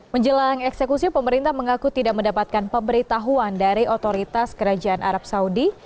menjelang eksekusi pemerintah mengaku tidak mendapatkan pemberitahuan dari otoritas kerajaan arab saudi